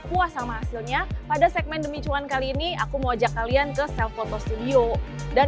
puas sama hasilnya pada segmen demi cuan kali ini aku mau ajak kalian ke self photo studio dan